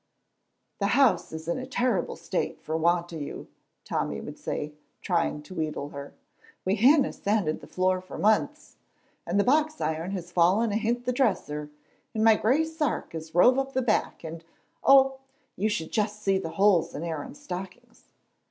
"The house is in a terrible state for want o' you," Tommy would say, trying to wheedle her. "We hinna sanded the floor for months, and the box iron has fallen ahint the dresser, and my gray sark is rove up the back, and oh, you should just see the holes in Aaron's stockings!"